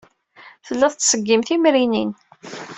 Tella tettṣeggim timrinin.